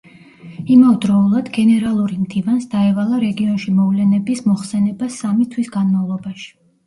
იმავდროულად, გენერალური მდივანს დაევალა რეგიონში მოვლენების მოხსენება სამი თვის განმავლობაში.